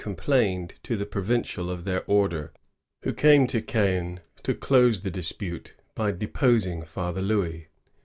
plained to the provincial of their order, who came to Caen to close the dispute by deposing Father Louis.